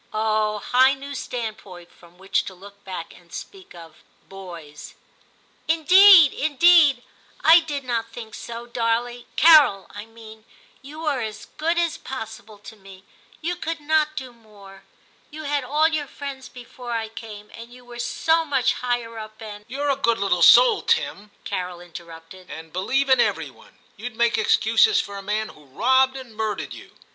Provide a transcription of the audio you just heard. Oh, high new standpoint from which to look back and speak of * boys '!* Indeed, indeed, I did not think so, Darley — Carol, I mean ; you were as good as possible to me ; you could not do more ; you 1 82 TIM CHAP. had all your friends before I came, and you were so much higher up, and ' *YouVe a good little soul, Tim,' Carol interrupted, * and believe in every one ; you'd make excuses for a man who robbed and murdered you.'